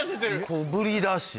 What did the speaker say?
小ぶりだし。